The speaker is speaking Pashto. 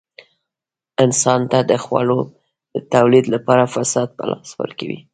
انسان ته د خوړو د تولید لپاره فرصت په لاس ورکوي.